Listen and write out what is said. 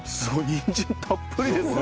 にんじんたっぷりですね。